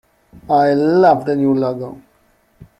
I love the new logo!